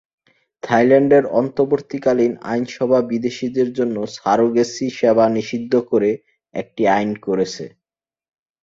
থাইল্যান্ডের অন্তর্বর্তীকালীন আইনসভা বিদেশিদের জন্য সারোগেসি সেবা নিষিদ্ধ করে একটি আইন করেছে।